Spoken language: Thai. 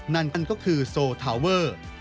นั่นก็คือโซลทาวเวอร์